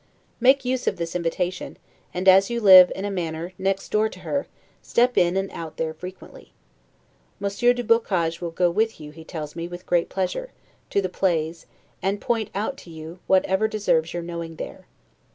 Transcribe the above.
Make use of this invitation, and as you live, in a manner, next door to her, step in and out there frequently. Monsieur du Boccage will go with you, he tells me, with great pleasure, to the plays, and point out to you whatever deserves your knowing there.